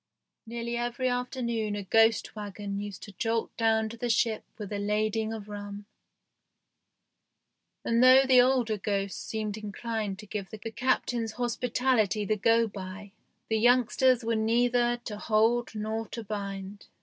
Nearly every afternoon a ghost wagon used to jolt down to the ship with a lading of rum, and though the older ghosts seemed inclined to give the Captain's hospitality the go by, the youngsters were neither to hold nor to bind.